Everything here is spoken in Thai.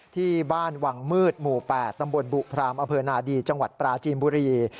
ที่บ้านวังมืดหมู่๘ตำบลบุพรามอำเภอนาดีจังหวัดปราจีนบุรี